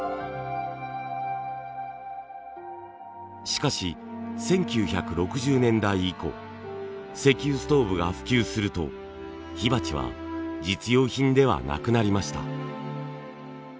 しかし１９６０年代以降石油ストーブが普及すると火鉢は実用品ではなくなりました。